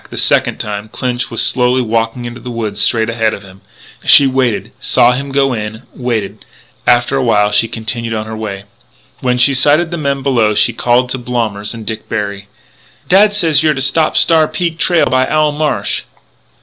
The second time, Clinch was slowly walking into the woods straight ahead of him. She waited; saw him go in; waited. After a while she continued on her way. When she sighted the men below she called to Blommers and Dick Berry: "Dad says you're to stop Star Peak trail by Owl Marsh."